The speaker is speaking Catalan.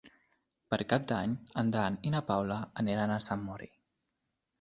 Per Cap d'Any en Dan i na Paula aniran a Sant Mori.